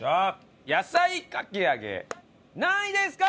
野菜かき揚げ何位ですか？